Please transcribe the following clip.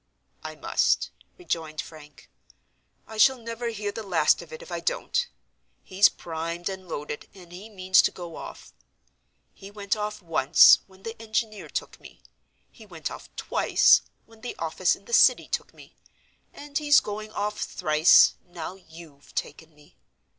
"I must," rejoined Frank. "I shall never hear the last of it if I don't. He's primed and loaded, and he means to go off. He went off, once, when the engineer took me; he went off, twice, when the office in the City took me; and he's going off, thrice, now you've taken me.